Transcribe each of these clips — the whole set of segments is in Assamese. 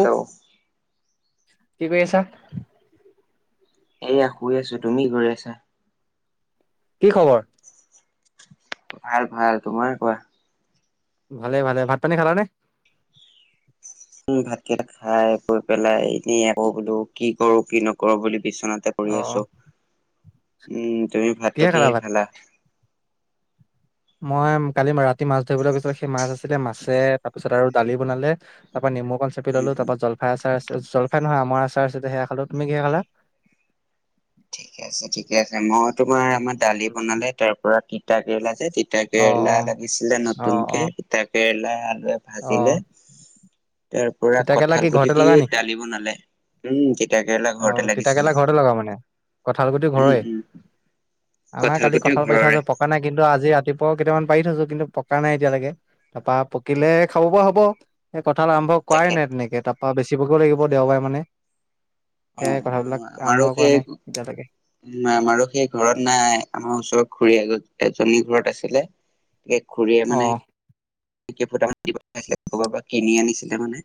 হেল্ল' [unintelligible] [unintelligible] কি খবৰ? ভাল-ভাল, তোমাৰ কোৱা? ভালে-ভালে, ভাত পানী খালা নে? উম, ভাতকেইটা খাই বই পেলাই এনেই আকৌ বোলো কি কৰো কি নকৰো বুলি বিচনাতে পৰি আছো, উম, তুমি ভাতটো কিহে খালা? মই কালি ৰাতি মাছ ধৰিবলৈ গৈছিলো। পিছত সেই মাছ আছিলে, মাছে তাৰ পিছত আৰু দালি বনালে নেমু অকণ চেপি ললোঁ, উম তাৰপা জলফাই আচাৰ আছি জলফাই নহয়, আমৰ আচাৰ আছিলে, সেয়া খালো। তুমি কিহে খালা? ঠিকে আছে, ঠিকে আছে। মই তোমাৰ আমাৰ দালি বনালে, তাৰ পৰা তিতা কেৰেলা যে তি তিতা অ অ কেৰেলা লাগিছিলে অ অ নতুনকে, তিতা কেৰেলা আলুৱে অ ভাজিলে। তাৰ পৰা তিতাকেৰেলা কঁঠাল কি গুটি ঘৰতে দি‌ লগা এ নি? দালি বনালে। উম কেৰেলা অ ঘৰতে তিতা লাগিছিলে কেৰেলা ঘৰতে লগা মানে? কঁঠাল গুটি উম ঘৰৰে? উম আমাৰ কালি গুটিও কঁঠাল পাৰি থোৱা ঘৰৰে আছে, পকা নাই কিন্তু আজি ৰাতিপুৱা কেইটামান পাৰি থৈছো। কিন্তু পকা নাই এতিয়ালৈকে, তাৰপা পকিলে খাব পৰা হ'ব। এই কঁঠাল আৰম্ভ কৰাই তাকে নাই তেনেকে, তাৰ পৰা বেচিবগৈ লাগিব দেওবাৰে মানে। অ, সেয়াই কথাবিলাক আৰম্ভ আমাৰো কৰা সেই নাই এতিয়ালৈকে আমাৰো সেই ঘৰত নাই। আমাৰ ওচৰত খুড়ী এ গ এজনী ঘৰত আছিলে, গে খুৰীয়ে অ মানে ফটাম দিবব পৰা কিনি আনিছিলে মানে।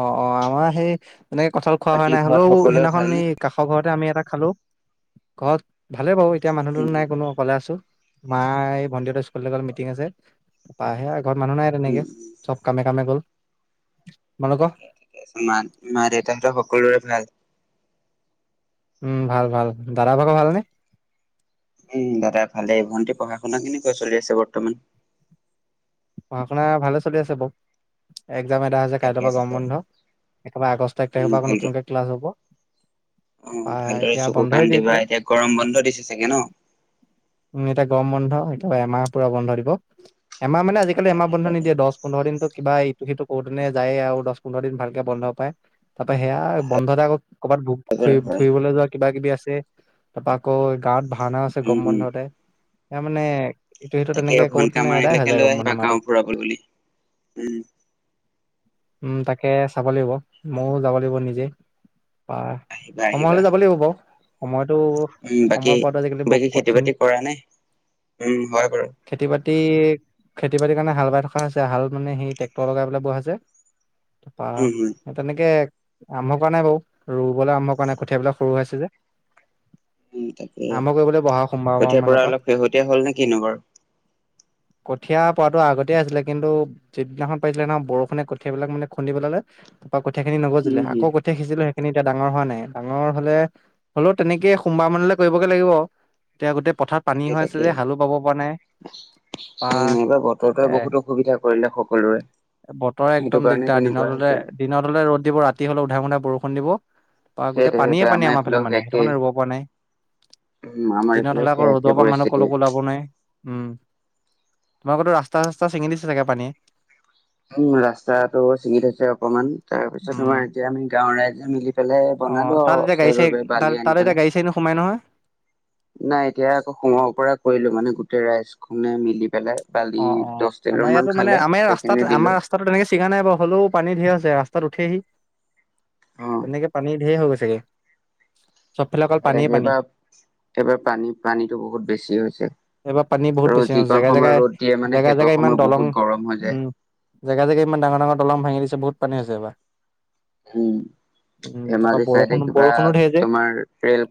অ-অ আমাৰ সেই তেনেকে কঁঠাল খোৱা হোৱা বাকী নাই। ঘৰত হ'লেও সকলোৱে সেইদিনাখন ভালনে? এই কাষৰ ঘৰতে আমি খালো। ঘৰত ভালে বাৰু এতিয়া মানুহ উম দুনুহ নাই কোনো অকলে আছো। মা এই ভণ্টিহঁতৰ স্কুললৈ গ'ল, মিটিং আছে পাহে ঘৰত মানুহ নাই উম উম তেনেকে, চব কামে কামে গ'ল। তোমালোকৰ ঠিকে আছে, মা-মা দেউতাহঁতৰ সকলোৰে ভাল? উম, ভাল ভাল। দাদা ভাগৰ ভাল নে? [unintelligible] পঢ়া-শুনা ভালে চলি আছে বাৰু। এক্সাম এটা হৈছে, কাইলৈৰ তাকে পৰা গৰম তাকে বন্ধ। একেবাৰে আগষ্ট এক তাৰিৰ পৰা আকৌ নতুকে ক্লাছ হ'ব। অহ, তাৰপৰা ভালদৰে এতিয়া বন্ধই দি দিলে উম, এতিয়া গৰম বন্ধ, এতিয়া এমাহৰ পোৰা বন্ধ দিব। এমাহ মানে, আজিকালি এমাহ তাকে বন্ধ তাকে। নিদিয়ে, দহ-পোন্ধৰ দিনটো কিবা ইটো - সিটো কঁৰোতেনে যায়ে আৰু দহ - পোন্ধৰ দিন ভালকে বন্ধ পায়। তাৰ পৰা সেয়া বন্ধতে আকৌ ক'ৰবাত ফৰি হয় হয়। ফুৰিবলৈ যোৱা কিবা-কিবি আছে, তাৰপা আকৌ গাঁৱত ভাওনা আছে উম গৰম উম বন্ধত‌। তাৰ মানে ইটো, সিটো তাকে তেনেকে ভন্টি কৰোতেনে আমাৰ এদাই হৈ এইবিলাকে যায় লৈ আহিবা গাঁও গৈ ফুৰাব বুলি। উম [unintelligible] উম তাকে চাব লাগিব ময়ো যাব লাগিব নিজে পা আহিবা সময় আহিবা হলে যাব লাগিব বাও, সময়টো সময় পোৱাটো আজিকালি বৰ কঠিন। প্ৰাণে, উম হয় বাৰু। খেতি বাতি খেতি বাতিৰ কাৰণে হাল বাই থকা হৈছে হাল মানে সেই ট্ৰেক্টৰ লগাই পেলাই বোৱা হৈছে। প উম হম তেনেকে আৰম্ভ কৰা নাই বাও, ৰুবলে আৰম্ভ কৰা নাই কঠিয়াবিলাক সৰু হৈ হৈছে যে। উম তাকে আৰম্ভ কৰিব লাগিব অহা সোমবাৰবাৰ কঠিয়াৰ মান। অলপ শেহতীয়া হল নে কিনো বাৰু কঠীয়া পোৱাাতো আগতেই আছিলে কিন্তু যিদিনাখন পাইিছিলে নহ বৰষুণে কঠিয়াবিলাক মানে খুন্দিিবেলালে তপ কঠীয়াখিনি নগজিলে উম আক হম কঠীয়া শিছিলে। সিনি এতিয়া ডাঙৰ হোৱা নাই ডাঙৰ হলে হ'লেও তেনেকেইে সোমবাৰ মানলৈ কৰিবগে লাগিব এতিয়া গোটেই পথাৰত পানী হৈ আছে যে হালো পাব পৰা নাই বা উ এইবাৰ বতৰটোৱে বহুত অসুবিধা কৰিলে সকলোৰে। বতৰে সেইটো একদম কাৰণে দিগদাৰ, দিনত তেনেকুৱা হলে হৈছে দিনত হলে ৰ'দ দিব ৰাতি হলে উধাই-মুধাই বৰষু বা সেই গোটেই সেইটো পানীয়েে পানী আমাৰ ফালে এইফালেও মানে সেইটো একেই কাৰানে ৰুব পৰা নাই উম আমাৰ দিনত এইফালেও হ'লে আকৌ সেই ৰ একে দকা মানহৰ পৰিস্থিতি লগকো লাভ নাই উম তোমাকতো ৰাস্তা চাস্তা চিঙি দিছে চাগে পানীয়ে উম, ৰাস্তাটো ছিঙি থৈছে অকমান, তাৰ পিছত উম তোমাৰ এতিয়া আমি গাঁৱৰ ৰাইজে মিলি পেলাই অ বনালো তাত এতিয়া গাড়ী চাড়ী সেইবাবে তাত বালি তাত আনি এতিয়া পেলে গাড়ী চাড়ী নোসোমাই নহয় নাই এতিয়া আকৌ সোমৰ পৰা কৰিলো মানে গোটেই ৰাইজ খনে মিলি পেলাই বালি অ' অ' দহ টেলুৰ আমাৰ মান ইয়াতো মানে খালে আমাৰ সেইখিনি ৰাস্তাত দিলো আমাৰ ৰাস্তাটো তেনেকে চিগা নাই বাৰু হলেও পানী ধঢে হৈছে ৰাস্তা াত উঠিহি অ তেনেকে পানী ঢেৰ হৈ গৈছোগে চবফালে অকল তাকে পানীয়েই পানী। এইবাৰ এইবাৰ পানী-পানীতো বহুত বেছি হৈছে, এইবাৰ পানী বহুত আৰু বেছি অ যিকণ জেগাই সময় জেগাই ৰ'দ দি জেগাই জেগাই ইমান দলং উম জেগাই জেগাই ইমান ডাঙৰ ডাঙৰ দলং ভাঙি দিছে। ছে বহুত পানী আছে এইবা। হম। ধেমাজি চাইডে বৰষুণ কিবা বৰষুণো ধেৰ যে তোমাৰ ৰেল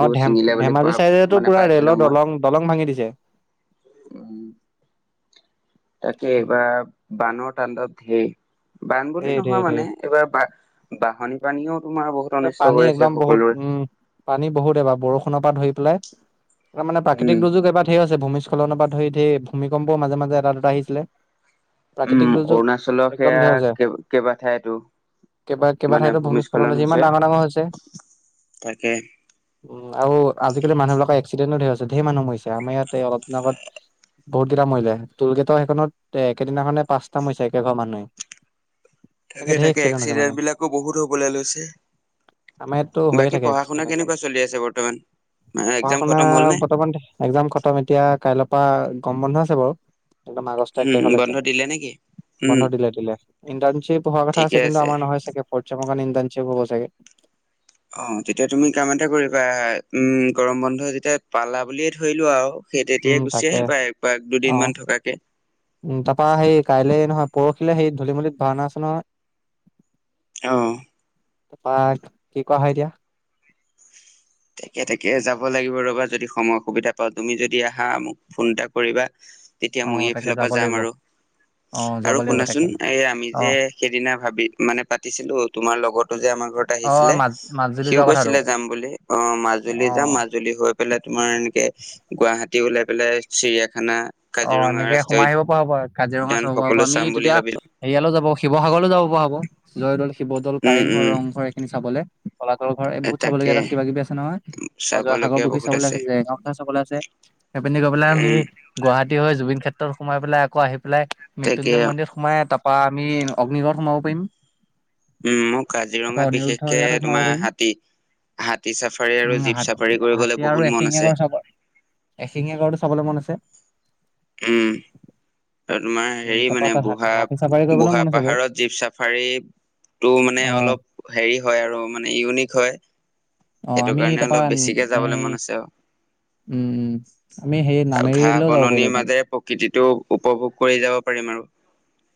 অ ধেম চিঙিলে বুলি ধেমাজি কোৱা চাইডেতো মানে পুৰা পাই ৰেলৰ দলং-দলং ভাঙি দিছে। উম। তাকে এইবাৰ বানৰ তাণ্ডৱ ধেই। বান বুলি ধেৰ ধেৰ নহয় মানে ধেৰ এইবাৰ বা বাহনি পানীও তোমাৰ বহুত এ অনিষ্ট পানী কৰিছে একদম বহুত সকলোৰে উম পানী বহুত এবাৰ বৰষুণৰ পৰা ধৰি পেলাই এটা মানে উম প্ৰাকৃক দুৰ্যোগ এবাৰ সেই আছে ভূম সস্খলনৰ পৰা ধৰি ধেই ভূমিকম্পও মাজে মাজে এটা-দুটা আহিছিলে। প্ৰাকৃতিক উম, দুৰ্যোগ অৰুণাচলৰ একদম ধেৰ হৈছে সেয়া কেইবা ঠাইতো কেইবা কেইবাঠাইতো ভূমিস্খলন হৈছে ইমান ডাঙৰ ডাঙৰ হৈছে। তাকে আৰু আজিকালি মানুহ বিিলাকৰ এক্সিডেণ্ট ধেৰ আছে ধেৰ মানুহৰিছে আমাৰ ইয়াতে অলপিন আগত বহুত দিইটা মৰিলে কেইটাও সেইখনত এ একেদিনাখনে পাঁচটা মৰিছে একে ঘৰ মানুহে তাকে ধেৰ তাকে হৈছে মানে এক্সিডেণ্ট বিলাকো বহুত হবলে লৈছে। আমাৰ ইয়াততো হৈয়ে বাকী থাকে পঢ়া শুনা এক্সিডেণ্ট একদম কেনেকুৱা চলি আছে বৰ্তমান পঢ়া এক্জাম শুনা খতম হ'ল নে? বৰ্তমান এক্জাম খটম এতিয়া কাইলৈৰ পৰা গম বন্ধ আছে বাৰু মাগছটো একটা উম, বন্ধ এঘলৈকে দিলে নেকি? উম, বন্ধ দিলে দিলে ইাৰশ্বিপ হোৱাৰ কথা আছে কিন্তু আমাৰ নহয় [unintelligible] হব চাগে। অ' তেতিয়া তুমি কাম এটা কৰিবা, উম গৰম বন্ধ যেতিয়া পালা বুলিয়ে ধৰিলো আৰু। সেই তেতিয়াই উম গুচি তাকে আহিবা একপাক দুদিনমান অ' থকাকে। উ তাৰাপা সেই কাইলে নহয়। পৰহিলে সেই ধূলিমূলিত ভাওনা আছে নহয়। আহ তাৰপা কি কোৱা হয় এতিয়া তাকে তাকে, যাব লাগিব ৰ'বা যদি সময়-সুবিধা পাওঁ, তুমি যদি আহা মোক ফোন এটা কৰিবা। তেতিয়া অ মই তাকে এইফালৰ পৰা যাব যাম লাগিব আৰু অ যাব আৰু লাগিব শুনাচোন! তাকে এই আমি অ যে সেইদিনা ভাবি মানে পাতিছিলো তোমাৰ লগতো যে। আমাৰ ঘৰত অ আহিছিলে মাজ মাজুলী সিও যোৱা কথাটো কৈছিলে যাম বুলি। অ'! অ' মাজুলী যাম অ মাজুলী হৈ পেলাই তোমাৰ এনেকে গুৱাহাটী উওলাই পেলাই চিৰিয়া অ' এনেকে সোমাই আহিব পৰাাৰ হব কাজিৰঙা উদ্যান চাব পৰাব সকলো আমি চাম বুলি তেতিয়া ভাবিলো হেৰিয়ালো যাব শিৱসাগৰলৈো যাব হাব জয়দৌল শিৱদৌল উম উম কাৰেংঘৰ ৰংঘৰ এইখিনি চাবলে কলাতল ঘৰ এই এ বহুত চাবলগীয়া তাকে তাত কিবা কিবি আছে নহয় অঁ জয় সাগৰ চাবলগীয়া পুখুৰী বহুত চাবলৈ আছে যে, [unintelligible] চাবলৈ আছে সেইপিনি গৈ পেলাই আমি উম গুৱাহাটী হৈ জুবিন ক্ষেত্ৰত সোমাই পেলাইকৌ আহি পাই তাকে মৃত্যুঞ্জয় মন্দিৰ সোমাই ত বা আমি অগ্নিগড় সোমাব পাৰিম উম মোৰ তাৰপা কাজিৰঙাত অনিৰুদ্ধ বিশেষকে ইয়াতো সোমাব তোমাৰ পাৰিম হাতী হাতী-চাফাৰী আৰু উম হাত জীপ-চাফাৰী হাতী কৰিবলৈ আৰু বহুত মন এশিঙীয়া আছে। গড় চাব এশিঙীয়া গড়টো চাবলৈ মন আছে। উম, অ, তোমাৰ উম হেৰি তাৰপা মানে তাত হাতী হাতী বুঢ়া- চাফাৰী কৰিবলৈ বুঢ়া মন আছে বাৰু পাহাৰত জীপ চাফাৰী তটো মানে অ অলপ হেৰি হয় আৰু মানে ইউনিক হয় অ সেইটো আমি কাৰণে অলপ বেছিকে যাবলৈ তাৰপা মন আছে আৰু উম, উম, আমি সেই আৰু ঘাঁহ নামেৰিলৈও যাব বননিৰ পাৰিলোহেঁতেন। মাজেৰে প্ৰকৃতিত তেও উপভোগ কৰি যাব পাৰিম আৰু।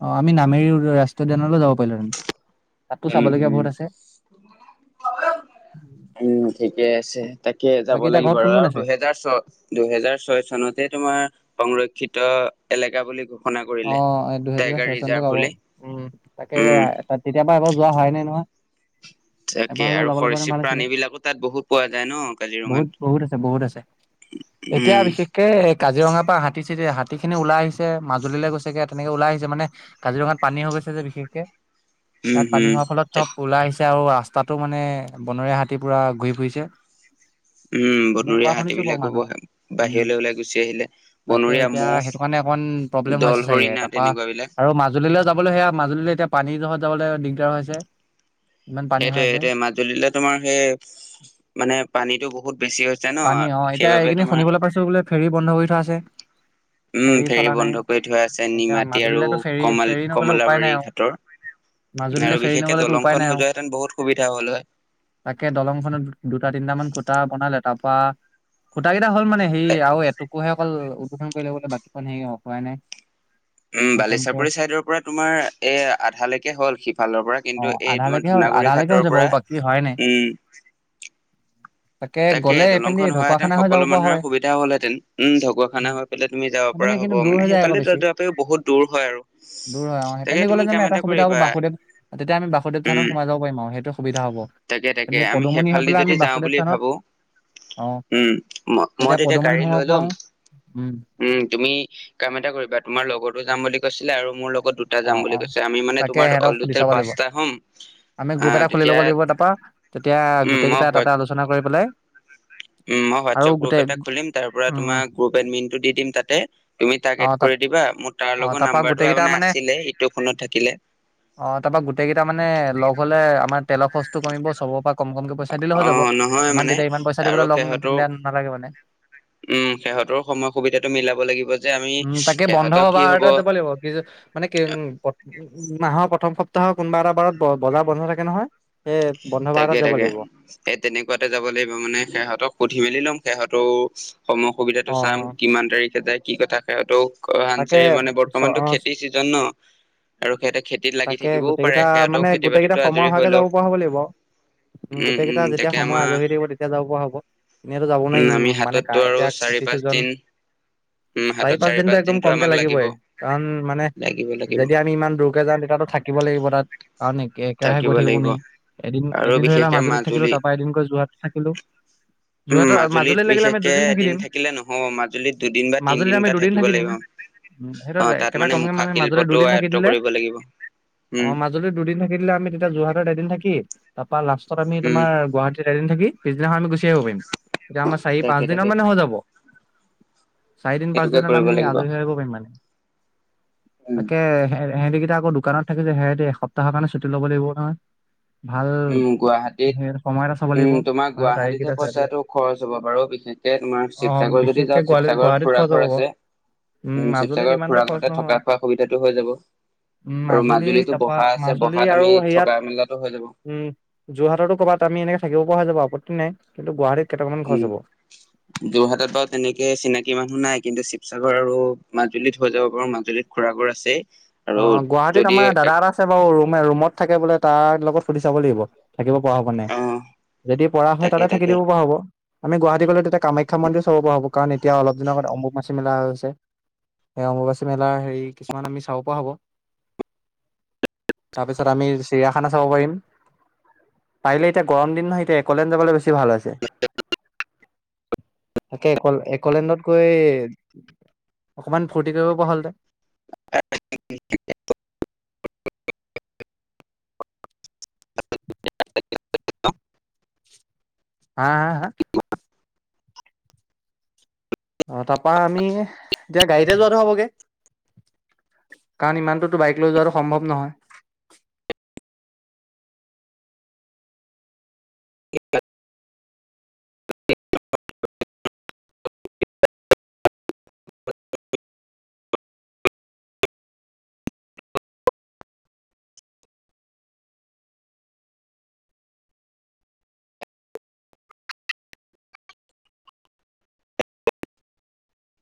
অ, আমি নামেৰি ৰাষ্ট্ৰীয় উদ্যানলৈ যাব পাৰিলোঁ হেতেন। উম- উম-উম ঠিকেই আছে। তাকে যাব বাকী এতিয়া লাগিব ঘৰত কোন কোন আৰু-আৰু আছে? দুহেজাৰ ছয়- দুহেজাৰ ছয় চনতে তোমাৰ সংৰক্ষ ক্ষিত এলেকা বুলি ক'ওঁ। অ' দুহেজাৰ ছয় চনতে কব উম তাকে উম তেতিয় পৰাা এব যোৱা হয় নে নহয়? তাকে এবাৰ হলেও আৰু যাবলৈ কাৰণে সৰচীপ ভাল প্ৰাণী আছিলে বিলাকো তাত বহুত পোৱা যায় ন কাজিৰঙাত। বহুত বহুত আছে বহুত আছে এতিয়া উম বিশেষকে এ কাজিৰঙাৰ পৰা হাতী চিতি হাতী খিনি ওলাই আহিছে মাজুলীলৈ গৈছেগে তেনেকে ওলাই আহিছে মানে কাজিৰঙাত পানী হৈ গৈছে যে বিশেষকে উম তাত পানী হম হোৱাৰ ফলত চব তাক ওলাই আহিছে। তে আৰু ৰাস্তাটো মানে বনৰীয়া হাতী পুৰা ঘূৰি ফুৰিছে। উম তেনেকে বনৰীয়া কোৱা শুনিছো বাৰু হাতীবিলাকো মানুহ বহ উম। বাহিৰলৈ ওলাই গুচি আহিলে বনৰীয়া মহ অন প্ৰব্লেম দল হৈছে চাগে হৰিণা তাৰপা তেনেকুৱা বিলাক আৰু মাজুলীলৈ যাবলৈ সেয়া গ এতিয়া পানীৰ জহত যাবলৈ দিগদাৰ হৈছে ইমান পানী হৈ আছে সেইটোয়ে-সেইটোয়ে মাজুলীলে তোমাৰ সেই মানে পানীটো বহুত বেছি হৈছে ন' পানী অ' এতিয়া সেইবাবে এইখিনি তোমাৰ শুনিবলৈ পাইছো বোলে ফেৰী বন্ধ কৰি থোৱা আছে উম ফেৰী চলা নাই বন্ধ কৰি থোৱা আছে এতিয়া নিমাতী আৰু মাজুলীলৈতো ফেৰী কম ফেৰী নগলে উপায় নাই কমলাবাৰী আৰু ঘাটৰ আৰু মাজুলীলৈ ফেৰী বিশেষকে নগলেতো দলং উপায় খন নাই হৈ আৰু যোৱা তাকে দলংখনত দুটা, তিনটা মান খুটা বনালে তাৰ বা খুটা কেইটা হ'ল মানে সেই আৰু এটোকোহে অকল উদ্বোধন ললে গলে বাকীখন হেৰি হাই নাই উম, সেইখনকে বালিচাপৰি চাইদৰ পৰা তোমাৰ এ আধালৈকে হল সিফালৰ পৰা অ কিন্তু এই তোমাৰ আধালৈকে হ'ল ধুনা গৰি আধালৈকে হৰ হৈছে পৰা বাৰু বাকী হোৱাই নাই উম তাকে গ'লে দলং খ এইপিনেদি হোৱােতেন ঢকুৱাখানা হৈ যাব সকলো পৰা হয় মানুহৰে সুবিধা হ'লহেতেন উম ঢকুৱাখানা হৈ পেলাই তুমি যা মানে কিন্তু দূৰ হৈ যায় আকৌ বেছ বেছি দূৰ হয় আৰু দূৰ হয় অহ, তাকে সেইপিনদি গ'লে যে তুমি কাম আমি এটা সুবিধা হব কৰিবা বাসুদেৱ তেতিয়া আমি বাসুদেৱ উম সানতোমাইাবাৰিম আৰু সেইটো সুধা হ'ব তাকে তাকে এনে আমি পদুমনি হৈ সেইফালেদি পেলাই যদি আমি যাওঁ বাসুদেৱ বুলি থানত ভাবো অ উম, ম-মই তেতিয়া এতিয়া পদুমনিত গাড়ী সোমাব লৈ লম পাৰো উম, তুমি কাম এটা কৰিবা তোমাৰ লগৰতো যাম বুলি কৈছিলে আৰু মোৰ লগ লগত দুটা অ যাম বুলি অ কৈছে আমি মানে তাকে তোমাৰ সিহঁতক সুধি অলটেল চাব লাগিব পাঁচটা হ'ম আমি গ্ৰুপ আহ এটা খুলি ল'ব তেতিয়া লাগিব তাৰ পৰাা তেতিয়া উম গোটেই কেইটা মই তাতে আলোচনা কৰি পেলাই উম, মই হোৱাটচ আৰু এপ গ্ৰপ গোটেই এটা খুলিম তাৰ পৰা উম তোমাৰ গ্ৰুপ এডমিন টো দি দিম তাতে তুমি অ তাক এড তা কৰি দিবা মোৰ তাৰ অ লগৰ তাৰপা নাম্বাৰতো গোটেইকেইটা মানে আছিলে সিটো ফোনত থাকিলে। অ, তাৰ পা গোটেই কেইটা মানে লগ হলে আমাৰ তেলৰ খৰচটো কমিব চবৰ পৰা কম- কম কমকে পইচা দিলে অ হৈ যাব নহয় ইমান মানে তেতিয়া ইমান পইচা আৰু দিবলৈ ল সিহঁতো তেতিয়া নালাগে মানে উম সিহঁতৰো সময় সুবিধাটো মিলাব লাগিব যে আমি উম, তাকে বন্ধ সিহঁতৰ কি বাৰ হব এটাত যাব লাগিব কি মানে উ মাহৰ প্ৰথম সপ্তাহ কোনোবা এটা বাৰত বজাৰ বন্ধ থাকে নহয় এই বন্ধ বাৰ এটাত তাকে যাব তাকে লাগিব এ তেনেকুৱাতে যাব লাগিব মানে সিহঁতক সুধি মেলি লম সিহঁতৰো সময় সুবিধাটো চাম অ', কিমান তাৰিখে যায় কি কথা সিহঁতেও অ' তাকে হানচাৰি মানে চ- বৰ্তমানতটো অ', খেতিৰ চিজন ন আৰু সিহঁতে খেতি লাগি তাকে থাকিবও গোটেই পাৰে কেইটা সিহঁতেও মানে গোটেই বাতিতো কেইটা সময় আজৰি হৈ হোৱাকে লওক যাব পৰা হ'ব লাগিব আও উ উম গোটেইকেইটা উম যেতিয়া তাকে সময় আমাৰ আজৰিহৰি দাকিব তেতিয়া যাব পৰা হ'ব এনেইো যাব নোৱাৰি উম আমি মানে ক হাততো আৰু এতিয়া চাৰি খেতি পাঁচ চোজন দিন উম চাৰি হাতত পাঁচ দিনতটো একদম দিনটো কমকে আমাক লাগিব লাগিবই কাৰণ মানে লাগিব লাগিব যদি আমি ইমান দূৰকে যাওঁ তেতিয়াতো থাকিব লাগিব তাত কাৰণ একেৰাহে গৈ থাকিব নোৱাৰি এদিন আৰু এদিন ধৰি লা বিশেষকে মাজুলীত থাকিলো মাজুলী তাৰপা এদিন গৈ যোৰহাট থাকিলো উম যোৰহাটৰ মাজুলীত লাগিলে আমি বিশেষকে দুদিন থাকি এদিন দিম থাকিলে নহব মাজুলীত দুদিন বা মাজুলীত তিনদিন আমি এটা দুদিন থাকিব থাকি দিম লাগিব উম সেইটোৱে অ টো তাত একেবাৰে কমকে মুখা মানে মাজুলীত শিল্পটো দুদিন থাকি আয়ত্ব দিলে কৰিব লাগিব উম অ মাজুলীত দুদিন থাকিলে আমি তেতিয়া যোৰহাটৰ এদিন থাকি বা লাষ্টত আমি উম তোমাৰ গুৱাহাটীত এদিন থাকি পিছদিনাখন আমি গুচি আহিব পাৰিম তেতিয়া আমাৰি তাকে পাঁচিন তাকে মানে হৈ যাব চাৰিদিন পাঁচ সেইটোকে দিনত কৰিব আমি লাগিব আজৰি হৈ আহ পাৰিম মানে উম তাকে সিহঁতিকেইটা আকৌ দোকানত থাকি যে সিহঁতি এসপ্তাহৰ কাৰণে ছুটি ল'ব লাগিব নহয় ভাল উম সেই সময় এটা চাব গুৱাহাটীত লাগিব উম তোমাৰ ভাল গুৱাহাটীতহে তাৰিখকেইটা চাই পেলাই পইচাটো খৰচ হ'ব বাৰু বিশেষকে তোমাৰ অ শিৱসাগৰ যদি বিশেষকে যাওঁ গুৱাহাটীত শিৱসাগ গুৱাহাটীত খুৰা খৰচ ঘৰ হ'ব বাৰু আছে উম মাজুলীত শিৱসাগৰ ইমান এটা খুৰা খৰচ গাৱতে নহয় থকা খোৱা সুবিধাতটো হৈ যাব উম, আৰু মাজুলী মাজুলীতো তাৰপা বহা আছে মাজুলী বহাত আৰু আমি হেৰিয়াত থকা মেলাাতো হৈ যাব উম যোৰহাটতো ক'ৰবাত আমি এনেকে থাকিব পৰা হৈ যাব আপত্তি নাই কিন্তু গুৱাহাটীত কেইটামান খৰচ হ'ব। উম যোৰহাটত বাৰু তেনেকে চিনাকি মানুহ নাই কিন্তু শিৱসাগৰ আৰু মাজুলীত হৈ যাব পাৰো মাজুলীত খুৰা গুৰ আছে অ' গুৱাহাটীত আমাৰ দাদা এটা আছে বাৰু ৰুমে ৰুমত থাকে বোলে তাৰ লগত সুধি চাব লাগিব থাকিব পৰা হব নে নাই অ যদি পৰা হয় তাকে তাতে থাকি তাকে দিব পৰা হ'ব আমি গুৱাহাটী গলে তেতিয়া কামাখ্যা মন্দিৰ চাব পৰা হব কাৰণ এতিয়া অলপ দিনৰ আগত অম্বুবাচী মেলা হৈ গৈছে সেই অম্ববাচী মেলা হেৰি কিছুমান আমি চাব পৰা হব তাৰপিছত আমি চিৰিয়াখানা চাব পাৰিম পাৰিলে এতিয়া গৰম দিন নহয় এতিয়া একলেন যাবলৈ বেছি ভাল আ হৈছে তাকে এক একলেণ্ডত গৈ অকমান ফূৰ্তি কৰিব পৰা হ'ল হলতে হা হা হা আহ তাপা আমি এতিয়া গাড়ীতে যোৱাটো হ'বগে কাৰণ ইমানটোতো বাইক লৈ যোৱাটো সম্ভৱ নহয়